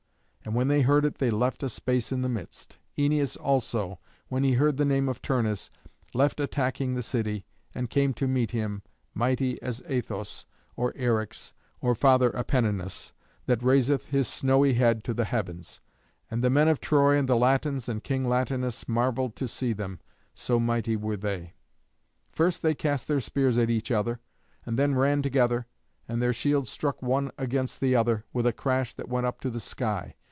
And when they heard it they left a space in the midst. Æneas also, when he heard the name of Turnus, left attacking the city, and came to meet him, mighty as Athos, or Eryx, or Father Apenninus, that raiseth his snowy head to the heavens. And the men of Troy and the Latins and King Latinus marvelled to see them meet, so mighty they were. First they cast their spears at each other, and then ran together, and their shields struck one against the other with a crash that went up to the sky.